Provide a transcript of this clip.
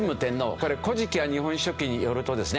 これ『古事記』や『日本書紀』によるとですね